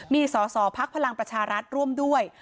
มีสสพประชารัฐร่วมด้วย